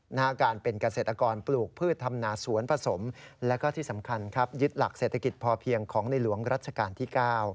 หน้าการเป็นเกษตรกรปลูกพืชทำนาสวนผสมและก็ที่สำคัญครับยึดหลักเศรษฐกิจพอเพียงของในหลวงรัชกาลที่๙